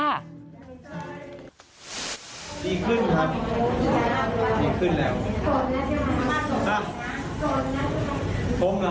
ค่ะดีขึ้นดีขึ้นแล้ว